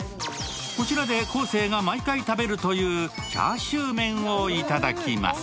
こちらで昴生が毎回食べるというチャーシュー麺をいただきます。